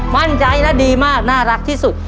มั่นใจและดีมากน่ารักที่สุด